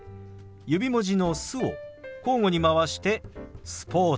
指文字の「す」を交互に回して「スポーツ」。